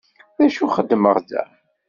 D acu xeddmeɣ da?